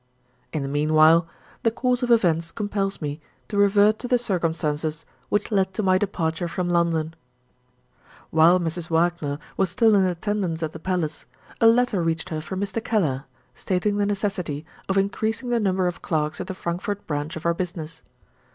In the meanwhile, the course of events compels me to revert to the circumstances which led to my departure from London. While Mrs. Wagner was still in attendance at the palace, a letter reached her from Mr. Keller, stating the necessity of increasing the number of clerks at the Frankfort branch of our business.